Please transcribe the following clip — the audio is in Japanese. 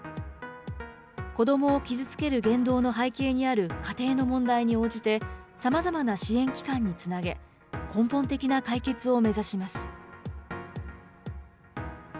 子どもを傷つける言動の背景にある家庭の問題に応じて、さまざまな支援機関につなげ、根本的な解決を目指します。